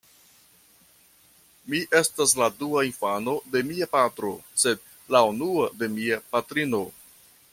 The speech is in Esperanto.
Mi estas la dua infano de mia patro, sed la unua de mia patrino.